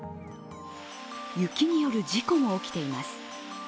雪による事故も起きています。